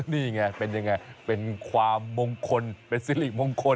นี่ไงเป็นยังไงเป็นความมงคลเป็นสิริมงคล